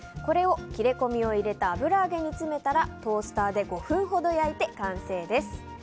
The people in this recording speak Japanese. これを切れ込みを入れた油揚げに詰めたらトースターで５分ほど焼いて完成です。